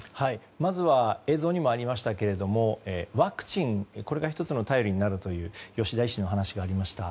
まずは映像にもありましたがワクチンこれが１つの頼りになるという吉田医師の話がありました。